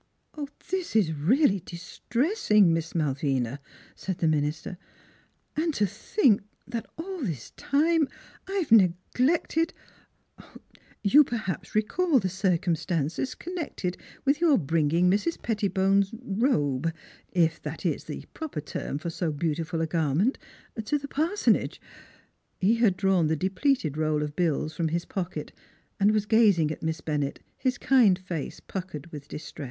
" This is really distressing, Miss Malvina," said the minister, " and to think that all this time I have neglected You perhaps recall the circumstances connected with your bringing Mrs. Pettibone's er robe, if that is the proper term for so beautiful a garment to the par sonage." He had drawn the depleted roll of bills from his pocket and was gazing at Miss Bennett, his kind face puckered with distress.